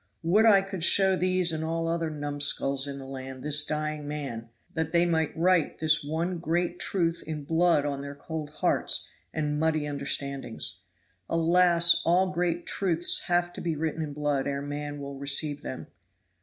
Would I could show these and all other numskulls in the land this dying man, that they might write this one great truth in blood on their cold hearts and muddy understandings. Alas! all great truths have to be written in blood ere man will receive them."